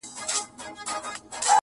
له غاړګیو به لمني تر لندنه ورځي-